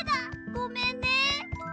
ごめんね。